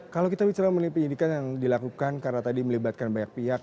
kalau kita bicara mengenai penyidikan yang dilakukan karena tadi melibatkan banyak pihak